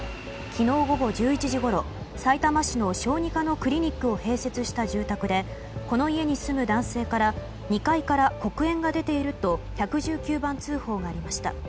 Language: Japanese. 昨日午後１１時ごろさいたま市の小児科のクリニックを併設した住宅でこの家に住む男性から２階から黒煙が出ていると１１９番通報がありました。